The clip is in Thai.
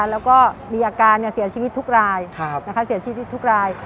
แล้วก็มีอาการเสียชีวิตทุกราย